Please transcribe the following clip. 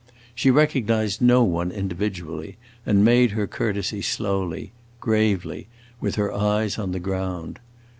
She recognized no one individually, and made her courtesy slowly, gravely, with her eyes on the ground.